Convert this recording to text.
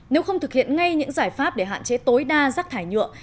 nếu không thực hiện ngay những giải pháp để hạn chế tối đa rác thải nhựa